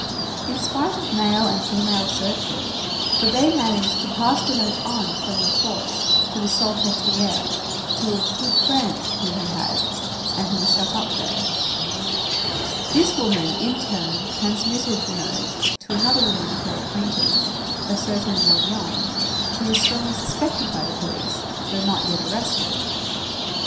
In spite of male and female searchers, Babet managed to pass the note on from La Force to the Salpêtrière, to a "good friend" whom he had and who was shut up there. This woman in turn transmitted the note to another woman of her acquaintance, a certain Magnon, who was strongly suspected by the police, though not yet arrested.